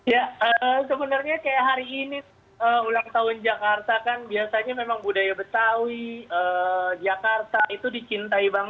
ya sebenarnya kayak hari ini ulang tahun jakarta kan biasanya memang budaya betawi jakarta itu dicintai banget